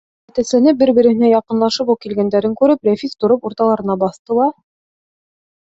Әтәсләнеп бер-береһенә яҡынлашып уҡ килгәндәрен күреп, Рәфис тороп урталарына баҫты ла: